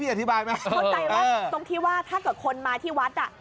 อธิบายไหมเข้าใจว่าตรงที่ว่าถ้าเกิดคนมาที่วัดอ่ะ